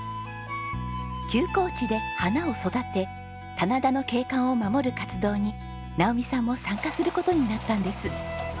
休耕地で花を育て棚田の景観を守る活動に直美さんも参加する事になったんです。